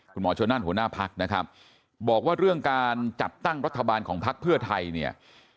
คุณหมอชนนั่นหัวหน้าพักนะครับบอกว่าเรื่องการจัดตั้งรัฐบาลของพักเพื่อไทยเนี่ย